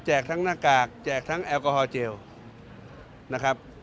ทั้งหน้ากากแจกทั้งแอลกอฮอลเจลนะครับ